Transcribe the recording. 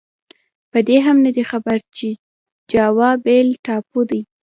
په دې هم نه دی خبر چې جاوا بېل ټاپو دی.